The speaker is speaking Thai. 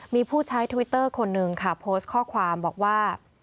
มีผู้ใช้ทวิตเตอร์คนหนึ่งค่ะโพสต์ข้อความบอกว่า